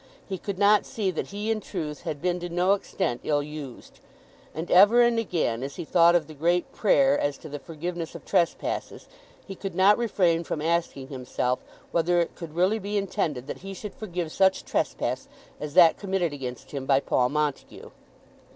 He could not see that he in truth had been to no extent ill used. And ever and again, as he thought of the great prayer as to the forgiveness of trespasses, he could not refrain from asking himself whether it could really be intended that he should forgive such trespass as that committed against him by Paul Montague!